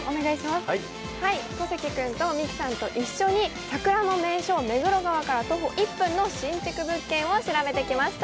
小関君とミキさんと一緒に桜の名所、目黒川から徒歩１分の新築物件を調べてきました。